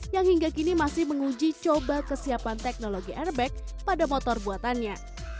yang hingga kini masih menguji coba kesiapan teknologi airbag pada motor buatannya